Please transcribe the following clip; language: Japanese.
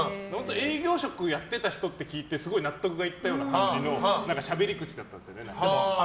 営業職をやっていた人って聞いてすごい納得がいったようなしゃべり口だったんですよね。